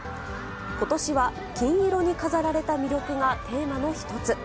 ことしは、金色に飾られた魅力がテーマの一つ。